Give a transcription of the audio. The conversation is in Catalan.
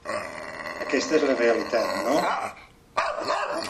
Aquesta és la realitat, no?